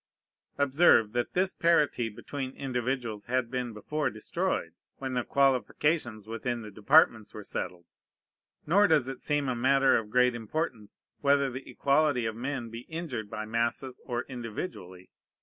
Observe, that this parity between individuals had been before destroyed, when the qualifications within the departments were settled; nor does it seem a matter of great importance whether the equality of men be injured by masses or individually.